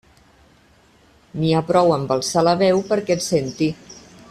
N'hi ha prou amb alçar la veu perquè et senti.